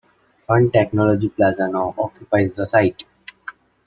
One Technology Plaza now occupies the site.